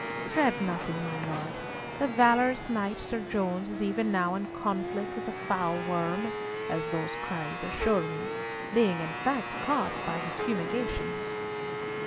Dread nothing, my Lord; the valorous knight Sir Jones is even now in conflict with the foul worm, as those cries assure me, being in fact caused by his fumigations."